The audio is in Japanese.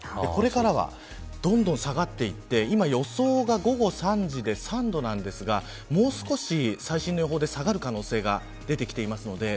これからはどんどん下がっていって今、予想が午後３時で３度なんですがもう少し最新の予報で下がる可能性が出てきています。